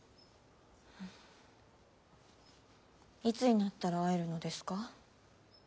いつになったら会えるのですか。